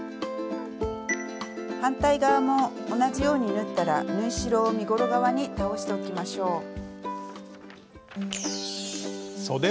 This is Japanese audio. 反対側も同じように縫ったら縫い代を身ごろ側に倒しておきましょう。